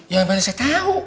ya mana saya tau